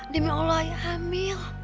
demi allah hamil